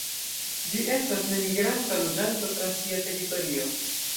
Ĝi estas nemigranta loĝanto tra sia teritorio.